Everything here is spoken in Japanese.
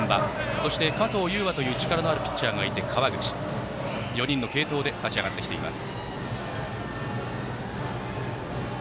そして加藤という力のあるピッチャーと、川口４人の継投で勝ち上がってきています。